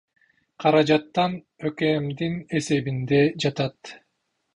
Каражаттан ӨКМдин эсебинде жатат.